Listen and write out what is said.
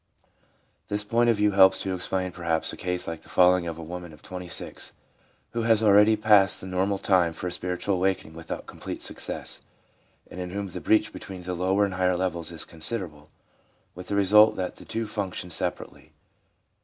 This point of view helps to explain, perhaps, a case like the following of a woman of 26, who has already passed the normal time for spiritual awakening without complete success, and in whom the breach between the lower and higher levels is considerable, with the result that the two function separately.